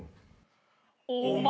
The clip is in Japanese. お前。